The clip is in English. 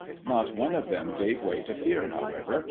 Not one of them gave way to fear, however.